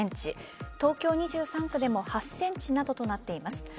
東京２３区でも８ｃｍなどとなっています。